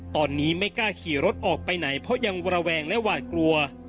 ตอนนี้ไม่กล้ากลี่รถออกไปไหนครั้วยังวลาแวงแล้วัดกลัว